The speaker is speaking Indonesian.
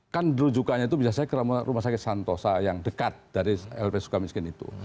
kan dulu juga itu bisa saya ke rumah sakit santosa yang dekat dari lp suka miskin itu